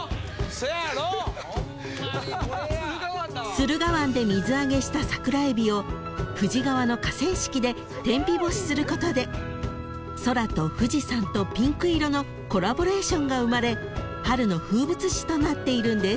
［駿河湾で水揚げした桜えびを富士川の河川敷で天日干しすることで空と富士山とピンク色のコラボレーションが生まれ春の風物詩となっているんです］